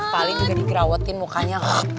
paling juga digrawetin mukanya